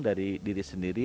dari diri sendiri